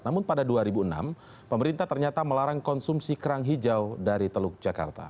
namun pada dua ribu enam pemerintah ternyata melarang konsumsi kerang hijau dari teluk jakarta